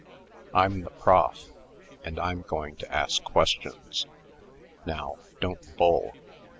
I'm the prof, and I'm going to ask questions. Now, don't bull.